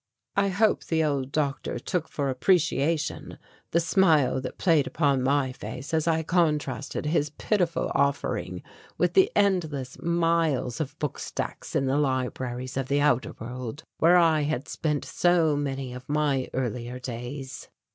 I hope the old doctor took for appreciation the smile that played upon my face as I contrasted his pitiful offering with the endless miles of book stacks in the libraries of the outer world where I had spent so many of my earlier days.